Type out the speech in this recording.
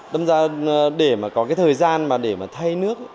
đâm ra để mà có cái thời gian mà để mà thay nước